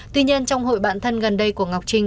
tuy nhiên trong hội bạn thân gần đây của ngọc trinh